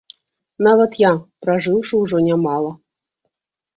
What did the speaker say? Нават я, пражыўшы ўжо нямала.